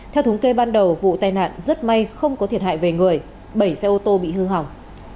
theo thống kê ban đầu vụ tai nạn rất may không có thiệt hại về người bảy xe ô tô bị hư hỏng